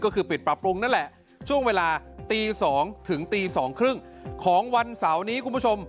ก็คือปิดปรับปรุงนั่นแหละช่วงเวลาตี๒ถึงตี๒๓๐ของวันเสาร์นี้คุณผู้ชม